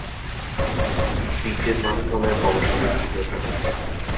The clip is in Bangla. বীজের মাধ্যমে বংশবৃদ্ধি ঘটে।